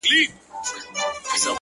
o ماته خوښي راكوي ـ